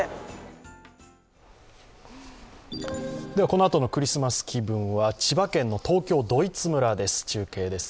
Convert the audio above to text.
このあとのクリスマス気分は千葉県の東京ドイツ村です。